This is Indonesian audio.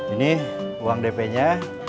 ini uang dpnya